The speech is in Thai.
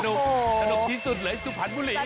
สนุกที่สุดเลยสุพรรณบุรี